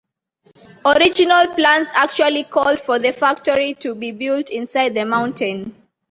Original plans actually called for the factory to be built inside the mountain.